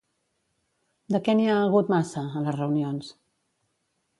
De què n'hi ha hagut massa, a les reunions?